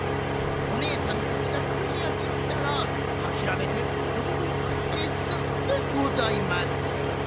おねえさんたちがクリアできたらあきらめてうどんをかえすでございます。